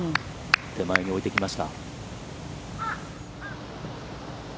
手前に置いてきました。